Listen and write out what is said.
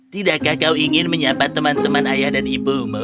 tidakkah kau ingin menyapa teman teman ayah dan ibumu